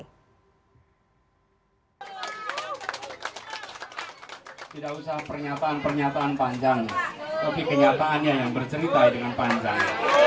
tidak usah pernyataan pernyataan panjang tapi kenyataannya yang bercerita dengan panjang